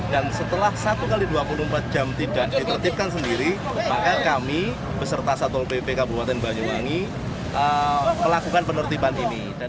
dan setelah satu x dua puluh empat jam tidak ditertipkan sendiri maka kami beserta satu lpp kabupaten banyuwangi melakukan penertipan ini